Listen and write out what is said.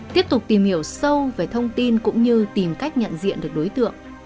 tiếp tục tìm hiểu sâu về thông tin cũng như tìm cách nhận diện được đối tượng